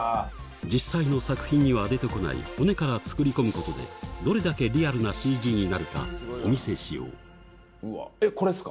実際の作品には出てこない骨から作り込むことでどれだけリアルなＣＧになるかお見せしようえっこれですか？